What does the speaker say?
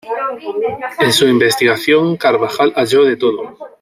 En su investigación, Carvajal halló de todo.